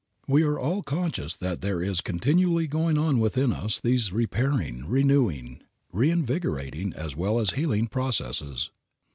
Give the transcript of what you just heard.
We are all conscious that there is continually going on within us these repairing, renewing, reinvigorating, as well as healing, processes.